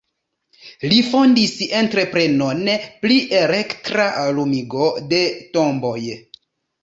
Li fondis entreprenon pri elektra lumigo de tomboj.